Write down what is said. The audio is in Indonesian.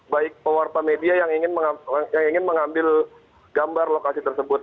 baik pewarta media yang ingin mengambil gambar lokasi tersebut